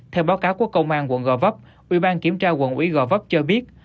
theo báo cáo của công an quận gò vấp ủy ban kiểm tra quận ủy gò vấp cho biết